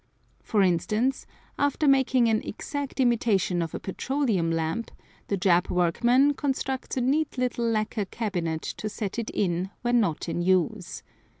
For instance, after making an exact imitation of a petroleum lamp, the Jap workman constructs a neat little lacquer cabinet to set it in when not in use.